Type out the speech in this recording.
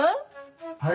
・はい。